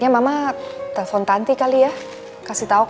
ya sampai besok